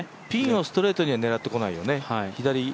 ピンをストレートには狙ってこないよね。